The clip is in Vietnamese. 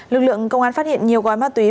lực lượng công an phát hiện nhiều gói ma túy